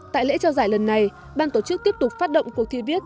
tại lễ trao giải lần này ban tổ chức tiếp tục phát động cuộc thi viết